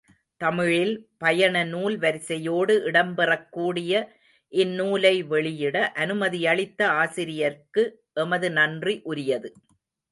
தமிழில், பயண நூல் வரிசையோடு இடம் பெறக் கூடிய இந்நூலை வெளியிட அனுமதியளித்த ஆசிரியர்க்கு எமது நன்றி உரியது.